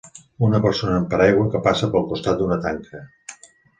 Una persona amb paraigua que passa pel costat d'una tanca